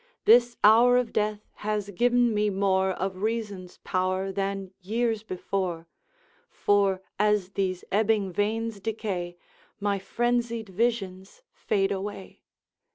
'This hour of death has given me more Of reason's power than years before; For, as these ebbing veins decay, My frenzied visions fade away.